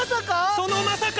そのまさか！